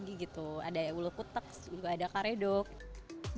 ini adalah ulu kutek lenca yang digunakan sebagai makanan untuk menurut saya